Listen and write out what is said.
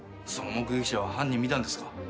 その目撃者は犯人見たんですか？